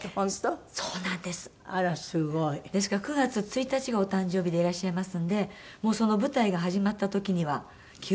ですから９月１日がお誕生日でいらっしゃいますのでその舞台が始まった時には９６歳に。